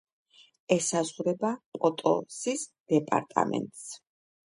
ესაზღვრება პოტოსის დეპარტამენტს.